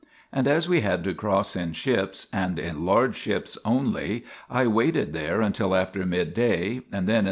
And as we had to cross in ships, and in large ships only, I waited there until after midday, and then in the Name 1